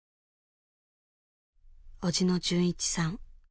伯父の循一さん。